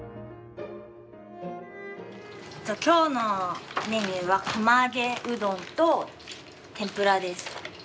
今日のメニューは釜揚げうどんと天ぷらです。